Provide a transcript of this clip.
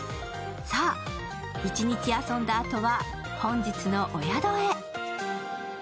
さぁ、一日遊んだあとは本日のお宿へ。